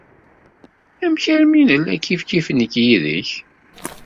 Amek armi i nella kifkif nekk yid-k?